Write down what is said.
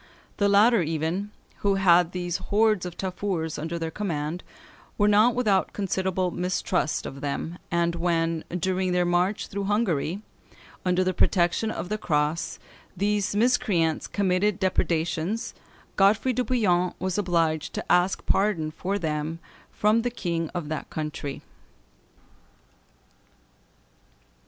The latter even, who had these hordes of Tafurs under their command, were not without considerable mistrust of them, and when, during their march through Hungary, under the protection of the cross, these miscreants committed depredations, Godefroy de Bouillion was obliged to ask pardon for them from the king of that country.